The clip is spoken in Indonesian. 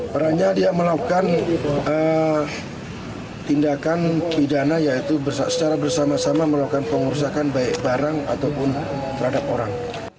perannya dia melakukan tindakan pidana yaitu secara bersama sama melakukan pengurusakan baik barang ataupun terhadap orang